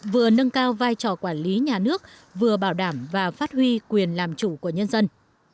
vừa nâng cao vai trò quản lý nhà nước vừa bảo đảm và phát huy quyền làm chủ của nhân dân